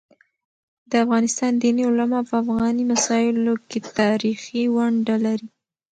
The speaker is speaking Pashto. د افغانستان دیني علماء په افغاني مسايلو کيتاریخي ونډه لري.